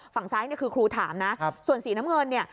ฝั่งซ้ายเนี่ยคือครูถามนะส่วนสีน้ำเงินเนี่ย